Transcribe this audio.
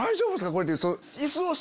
これ」って。